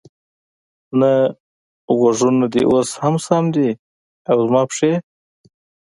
نه، غوږونه دې اوس هم سم دي، او زما پښې؟